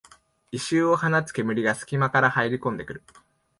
異臭を放つ煙がすき間から入りこんでくる